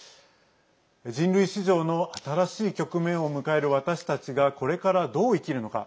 人類史上の新しい局面を迎える私たちがこれからどう生きるのか。